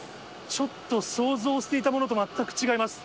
ちょっと想像していたものと全く違います。